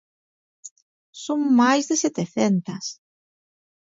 Son máis de setecentas.